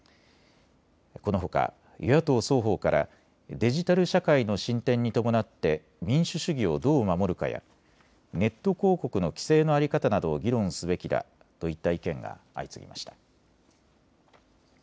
このほか与野党双方からデジタル社会の進展に伴って民主主義をどう守るかやネット広告の規制の在り方などを議論すべきだといった意見が相次ぎました。